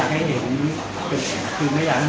ให้มีเกรื่องน้ำบุคคล